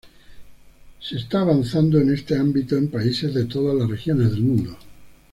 Se está avanzando en este ámbito en países de todas las regiones del mundo.